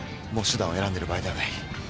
もう手段を選んでる場合ではない。